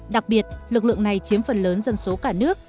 đặc biệt lực lượng này chiếm phần lớn dân số cả nước